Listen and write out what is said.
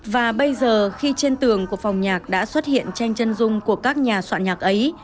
và bây giờ khi trên tường của phòng nhạc đã xuất hiện tranh chân dung của các nhà soạn nhạc ấy